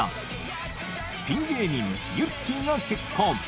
ピン芸人ゆってぃが結婚。